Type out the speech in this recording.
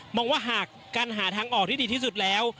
มองว่าหากการหาทางออกที่ดีที่สุดแล้ว